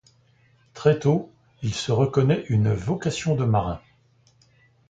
Très tôt il se reconnaît une vocation de marin.